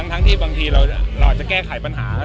ทั้งที่บางทีเราอาจจะแก้ไขปัญหา